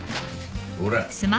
ほら。